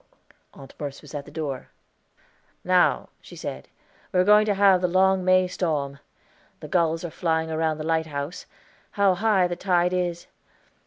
Aunt Merce was at the door. "Now," she said, "we are going to have the long May storm. The gulls are flying round the lighthouse. How high the tide is!